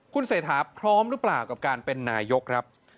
คุณเศรษฐาพร้อมหรือเปล่ากับการเป็นนายกครับ